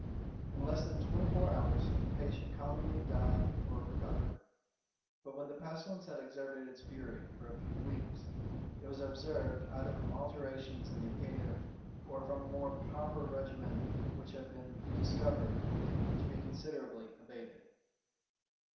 In less than twenty four hours the patient commonly died or recovered, but when the pestilence had exerted its fury for a few weeks, it was observed, either from alterations in the air, or from a more proper regimen which had been discovered, to be considerably abated.